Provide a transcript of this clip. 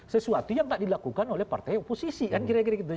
sesuatu yang tak dilakukan oleh partai oposisi kan kira kira gitu